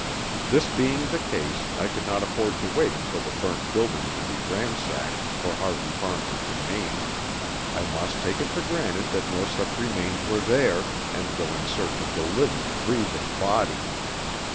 This being the case, I could not afford to wait until the burnt building should be ransacked for Harvey Farnham's remains, I must take it for granted that no such remains were there, and go in search of the living, breathing body.